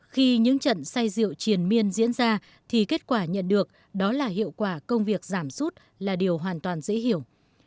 khi những trận say rượu triền miên diễn ra thì kết quả nhận được đó là hiệu quả công việc giảm sút là điều hoàn toàn dễ hiểu